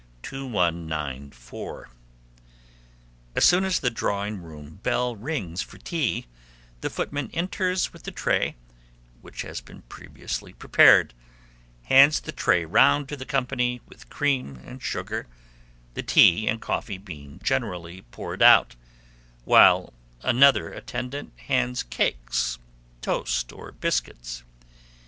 2194. As soon as the drawing room bell rings for tea, the footman enters with the tray, which has been previously prepared; hands the tray round to the company, with cream and sugar, the tea and coffee being generally poured out, while another attendant hands cakes, toast, or biscuits.